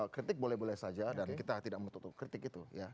kritik boleh boleh saja dan kita tidak menutup kritik itu